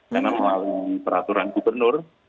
karena melalui peraturan gubernur